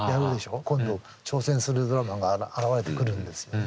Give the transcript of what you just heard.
今度挑戦するドラマーが現れてくるんですよね。